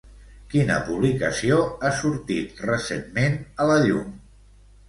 Quina publicació ha sortit recentment a la llum?